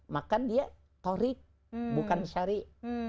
maka dia torik bukan syariah